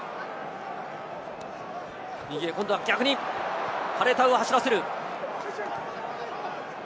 右へ、今度は逆にファレタウを走らせる。